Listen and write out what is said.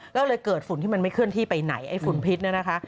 ก็เลยเกิดฝุ่นที่มันไม่เคลื่อนที่ไปไหนไอ้ฝุ่นพิษเนี่ยนะคะ